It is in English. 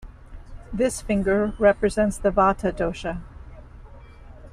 This finger represents the Vata dosha.